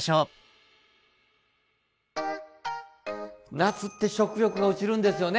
夏って食欲が落ちるんですよね。